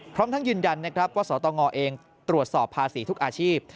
พร้อมทั้งยืนยันนะครับว่าสตงเองตรวจสอบภาษีทุกอาชีพ